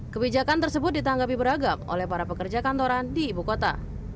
kebijakan tersebut ditanggapi beragam oleh para pekerja kantoran di ibu kota